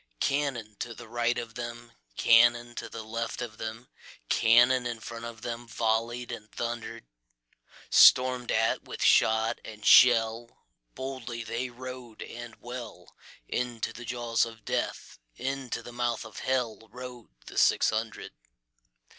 Cannon to right of them, Cannon to left of them, Cannon in front of themVolley'd and thunder'd; Storm'd at with shot and shell, Boldly they rode and well, Into the jaws of Death, Into the mouth of HellRode the six hundred.